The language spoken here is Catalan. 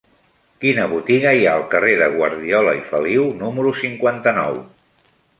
Quina botiga hi ha al carrer de Guardiola i Feliu número cinquanta-nou?